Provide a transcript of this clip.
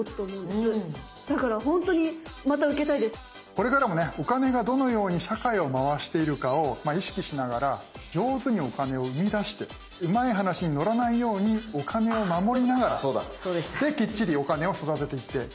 これからもねお金がどのように社会を回しているかを意識しながら上手にお金をうみだしてうまい話に乗らないようにお金をまもりながらできっちりいいですか。